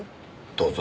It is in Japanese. どうぞ。